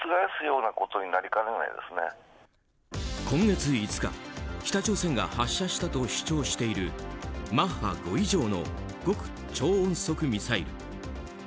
今月５日、北朝鮮が発射したと主張しているマッハ５以上の極超音速ミサイル。